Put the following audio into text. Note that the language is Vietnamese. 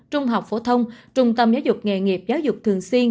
trung học phổ thông trung tâm giáo dục nghề nghiệp giáo dục thường xuyên